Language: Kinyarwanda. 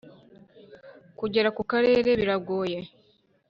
kugera ku Karere biragoye